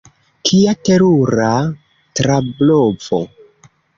Kia terura trablovo!